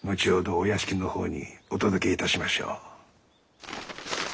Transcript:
お屋敷の方にお届けいたしましょう。